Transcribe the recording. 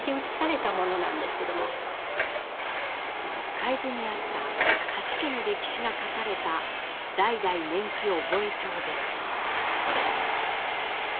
海津にあった舘家の歴史が書かれた「代々年忌覚帳」です。